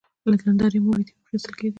له نندارې مو وېډیو اخیستل کېدې.